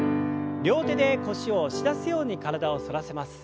両手で腰を押し出すように体を反らせます。